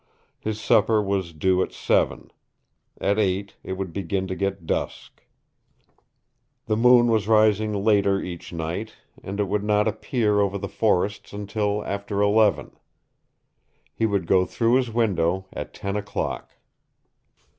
His supper was due at seven. At eight it would begin to get dusk. The moon was rising later each night, and it would not appear over the forests until after eleven. He would go through his window at ten o'clock.